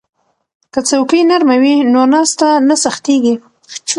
که څوکۍ نرمه وي نو ناسته نه سختیږي.